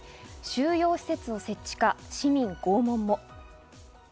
収容施設を設置か、市民拷問も。